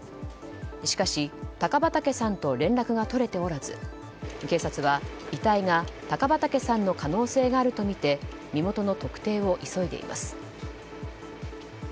しかし高畠さんと連絡が取れておらず警察は遺体が高畠さんの可能性があるとみて身元の特定を急いでいます。